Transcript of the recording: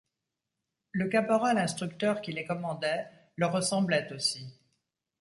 Le caporal instructeur qui les commandait leur ressemblait aussi.